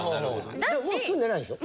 もう住んでないんでしょ？